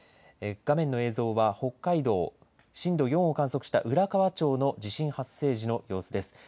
画面の映像は北海道、震度４を観測した浦河町の地震発生時の様子です。